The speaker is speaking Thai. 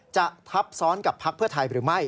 ทับซ้อนกับพักเพื่อไทยหรือไม่